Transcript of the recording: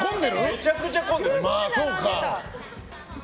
めちゃくちゃ混んでる。